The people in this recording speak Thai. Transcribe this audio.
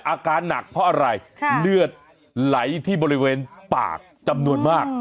อาการหนักเพราะอะไรเลือดไหลที่บริเวณปากจำนวนมาก